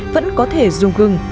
vẫn có thể dùng gừng